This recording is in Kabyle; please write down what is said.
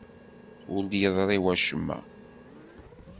Ur d-yeḍri wacemma.